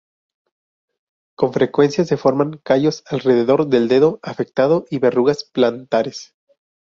Con frecuencia se forman callos alrededor del dedo afectado y verrugas plantares.